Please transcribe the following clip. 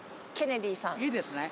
いいですね。